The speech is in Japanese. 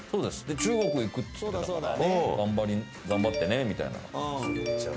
中国行くって言ってたから「頑張ってね」みたいな。